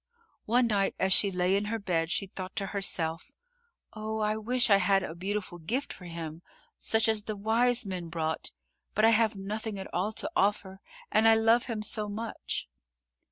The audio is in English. One night as she lay in her bed, she thought to herself: "Oh, I wish I had a beautiful gift for him, such as the wise men brought, but I have nothing at all to offer and I love him so much."